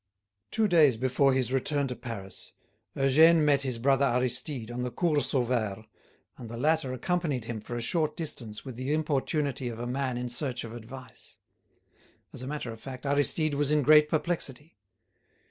Two days before his return to Paris, Eugène met his brother Aristide, on the Cours Sauvaire, and the latter accompanied him for a short distance with the importunity of a man in search of advice. As a matter of fact, Aristide was in great perplexity.